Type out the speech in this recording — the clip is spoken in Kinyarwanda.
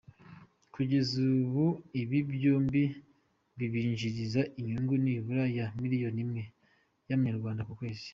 Kugeza ubu ibi byombi bibinjiriza inyungu nibura ya miliyoni imwe y’Amanyarwanda kukwezi.